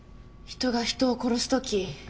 人が人を殺すとき